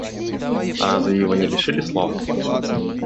Разве его не лишили слова?